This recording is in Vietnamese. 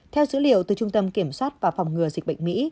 theo dữ liệu từ trung tâm kiểm soát và phòng ngừa dịch bệnh mỹ